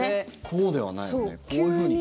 こうではないよね